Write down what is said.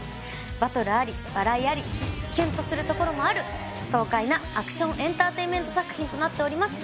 バトルあり笑いありキュンとするところもある爽快なアクション・エンターテインメント作品となっております